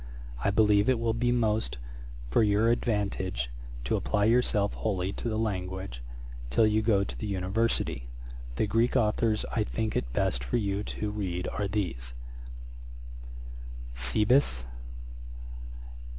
I believe it will be most for your advantage to apply yourself wholly to the languages, till you go to the University. The Greek authours I think it best for you to read are these: 'Cebes.